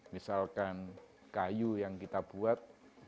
misalkan kayu yang kita buat